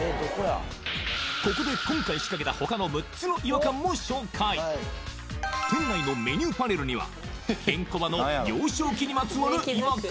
ここで今回仕掛けた他の６つの違和感も紹介店内のメニューパネルにはケンコバの幼少期にまつわる違和感